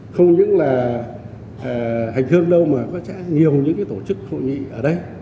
không những là hành thương đâu mà có nhiều những tổ chức hội nghị ở đây